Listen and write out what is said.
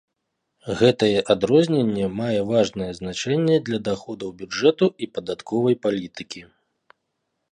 Гэтае адрозненне мае важнае значэнне для даходаў бюджэту і падатковай палітыкі.